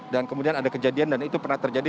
dan kemudian ada kejadian dan itu pernah terjadi